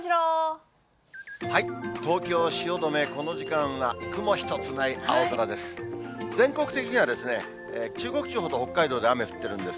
東京・汐留、この時間は雲一つない青空です。